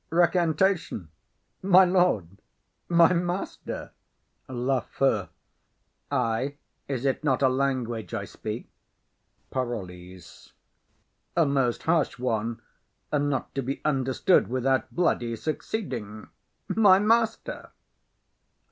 Recantation! My lord! My master! LAFEW. Ay. Is it not a language I speak? PAROLLES. A most harsh one, and not to be understood without bloody succeeding. My master!